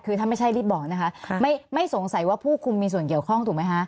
คือถ้าไม่ใช่รีบบอกนะคะไม่สงสัยว่าผู้คุมมีส่วนเกี่ยวข้องถูกไหมคะ